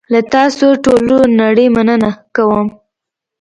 له تاسوټولونړۍ مننه کوم .